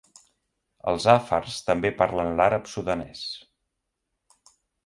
Els àfars també parlen l'àrab sudanès.